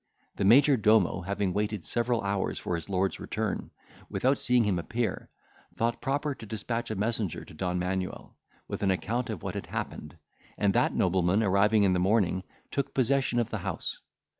The major domo having waited several hours for his lord's return, without seeing him appear, thought proper to despatch a messenger to Don Manuel, with an account of what had happened; and that nobleman arriving in the morning, took possession of the house.